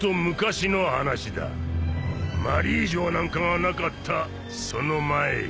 マリージョアなんかがなかったその前よ